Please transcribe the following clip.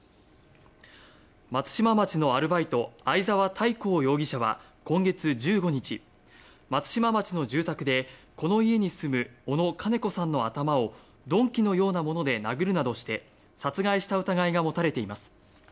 松島町のアルバイト相沢大広容疑者は今月１５日松島町の住宅でこの家に住む小野金子さんの頭を鈍器のようなもので殴るなどして殺害した疑いが持たれています。